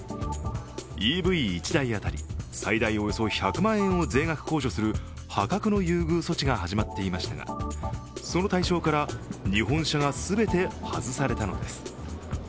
ＥＶ１台あたり最大およそ１００万円を税額控除する破格の優遇措置が始まっていましたがその対象から日本車が全て外されたのです。